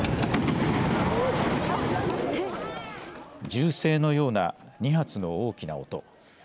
銃声のような２発の大きな音。